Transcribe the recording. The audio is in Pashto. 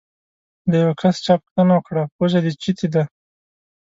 له یو کس چا پوښتنه وکړه: پوزه دې چیتې ده؟